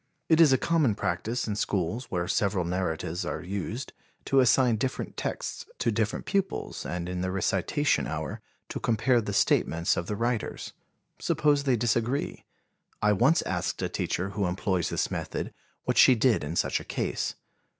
It is a common practice, in schools where several narratives are used, to assign different texts to different pupils and in the recitation hour, to compare the statements of the writers. Suppose they disagree? I once asked a teacher who employs this method what she did in such a case.